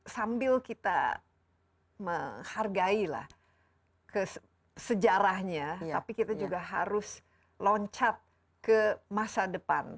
sambil kita menghargai lah sejarahnya tapi kita juga harus loncat ke masa depan